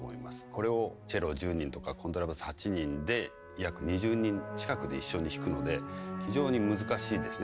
これをチェロ１０人とかコントラバス８人で約２０人近くで一緒に弾くので非常に難しいですね